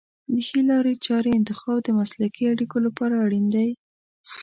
د ښې لارې چارې انتخاب د مسلکي اړیکو لپاره اړین دی.